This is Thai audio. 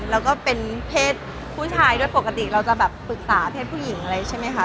แล้วก็เป็นเพศผู้ชายด้วยปกติเราจะแบบปรึกษาเพศผู้หญิงอะไรใช่ไหมคะ